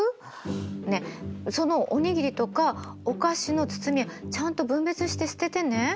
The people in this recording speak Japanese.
ねっそのお握りとかお菓子の包みはちゃんと分別して捨ててね。